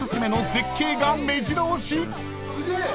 すげえ！